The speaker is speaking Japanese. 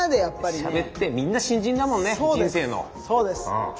しゃべってみんな新人だもんね人生の。